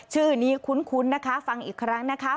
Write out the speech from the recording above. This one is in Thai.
ชื่อนี้คุ้นนะคะฟังอีกครั้งนะคะ